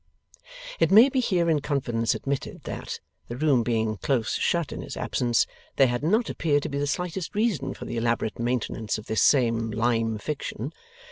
It may be here in confidence admitted that, the room being close shut in his absence, there had not appeared to be the slightest reason for the elaborate maintenance of this same lime fiction.